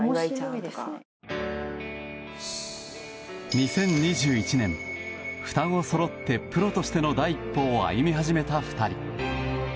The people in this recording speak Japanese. ２０２１年、双子そろってプロとしての第一歩を歩み始めた２人。